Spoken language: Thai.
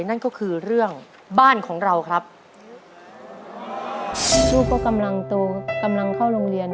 นั่นก็คือเรื่องบ้านของเราครับลูกก็กำลังโตกำลังเข้าโรงเรียน